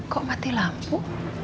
kok mati lampu